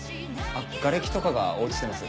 がれきとかが落ちてます